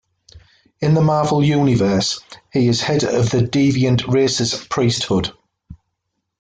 In the Marvel Universe, he is the head of the Deviant race's priesthood.